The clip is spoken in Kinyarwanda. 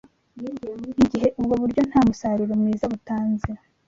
Igihe ubwo buryo nta musaruro mwiza butanze,